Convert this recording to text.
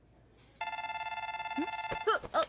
あっ！